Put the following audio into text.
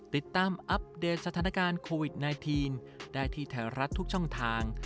ติดตามอัปเดตสถานการณ์โควิดไนทีนได้ที่ไทยรัฐทุกช่องทาง